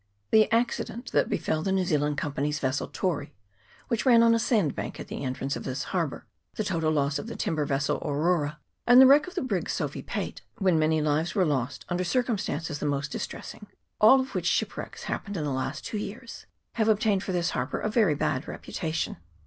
The accident that befell the New Zealand Com pany's vessel Tory, which ran on a sand bank at the entrance of this harbour, the total loss of the timber vessel Aurora, and the wreck of the brig Sophia Pate, when many lives were lost under cir cumstances the most distressing all of which ship wrecks happened in the last two years have ob tained for this harbour a very bad reputation.